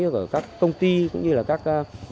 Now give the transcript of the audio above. của các công ty cũng như là các